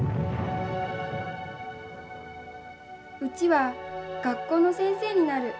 うちは学校の先生になる絶対に。